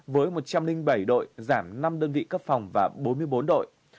với một trăm linh bảy đội giảm năm đơn vị cấp phòng và bốn mươi bốn đội